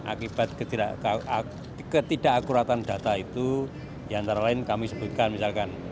akibat ketidakakuratan data itu diantara lain kami sebutkan misalkan